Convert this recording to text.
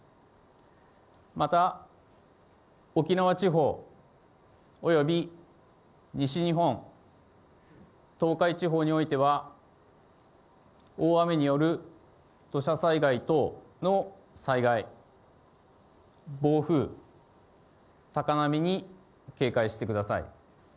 また、沖縄地方および西日本、東海地方においては、大雨による土砂災害等の災害、暴風、高波に警戒してください。